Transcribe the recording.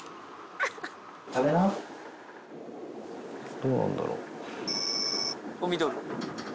どうなんだろう。